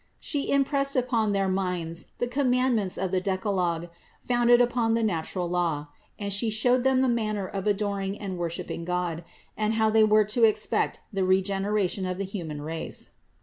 She im pressed upon their minds the commandments of the deca logue, founded upon the natural law ; and She showed them the manner of adoring and worshipping God, and how they were to expect the regeneration of the human race.